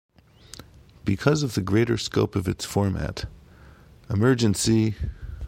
Because of the greater scope of its format, Emergency!